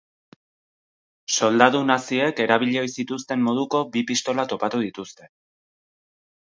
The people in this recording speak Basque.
Soldadu naziek erabili ohi zituzten moduko bi pistola topatu dituzte.